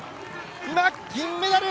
今、銀メダル！